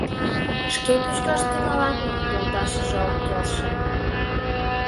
Шке пӱчкаш тӱҥалат мо? — йолташыже ок келше.